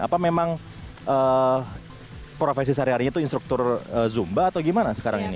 apa memang profesi sehari harinya itu instruktur zumba atau gimana sekarang ini